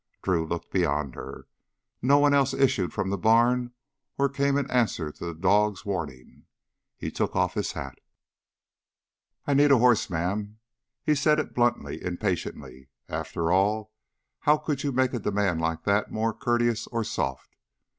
Drew looked beyond her. No one else issued from the barn or came in answer to the dog's warning. He took off his hat. "I need a horse, ma'am." He said it bluntly, impatiently. After all, how could you make a demand like that more courteous or soft?